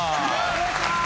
お願いします！